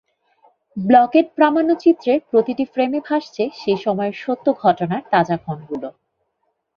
Blocked প্রামাণ্যচিত্রের প্রতিটি ফ্রেমে ভাসছে সেই সময়ের সত্য ঘটনার তাজা ক্ষণগুলো।